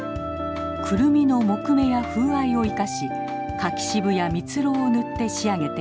クルミの木目や風合いを生かし柿渋や蜜ろうを塗って仕上げています。